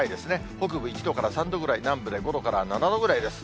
北部１度から３度ぐらい、南部で５度から７度ぐらいです。